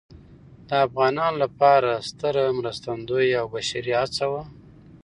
د افغانانو لپاره ستره مرستندویه او بشري هڅه وه.